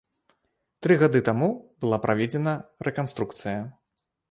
Тры гады таму была праведзена рэканструкцыя.